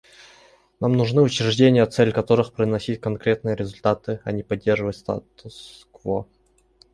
Нам нужны учреждения, цель которых — приносить конкретные результаты, а не поддерживать статус-кво.